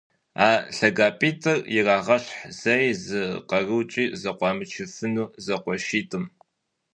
А лъагапIитIыр ирагъэщхь зэи зы къэрукIи зэкъуамычыфыну зэкъуэшитIым